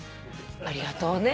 ありがとうね。